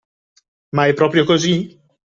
Ma è proprio così?